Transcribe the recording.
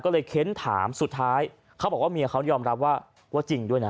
ก็เลยเค้นถามสุดท้ายเขาบอกว่าเมียเขายอมรับว่าว่าจริงด้วยนะ